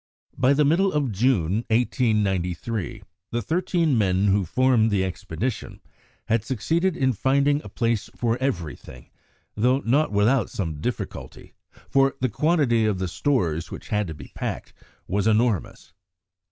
By the middle of June 1893 the thirteen men who formed the expedition had succeeded in finding a place for everything, though not without some difficulty, for the quantity of the stores which had to be packed was enormous.